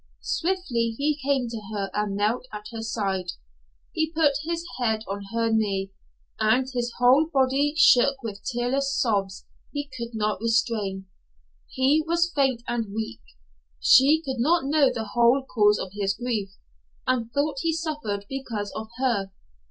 Swiftly he came to her and knelt at her side. He put his head on her knee, and his whole body shook with tearless sobs he could not restrain. He was faint and weak. She could not know the whole cause of his grief, and thought he suffered because of her.